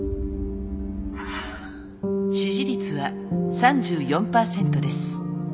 支持率は３４％です。